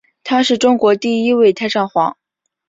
他是中国第一位太上皇。